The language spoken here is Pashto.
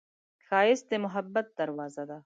ښایست د محبت دروازه ده